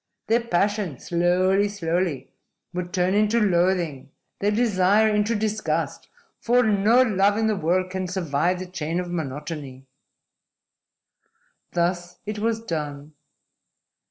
Their passion slowly, slowly will turn into loathing; their desire into disgust. For no love in the world can survive the chain of monotony!" Thus it was done.